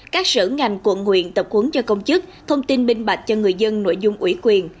các sở ngành quận huyện tập huấn cho công chức thông tin binh bạch cho người dân nội dung ủy quyền